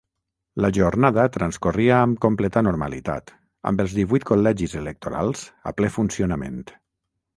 La jornada transcorria amb completa normalitat, amb els divuit col·legis electorals a ple funcionament.